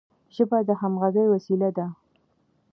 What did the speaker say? ژبه د همږغی وسیله ده.